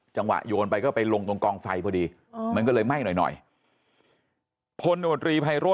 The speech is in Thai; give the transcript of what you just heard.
จังหวะโยนไปก็ไปลงตรงกองไฟพอดี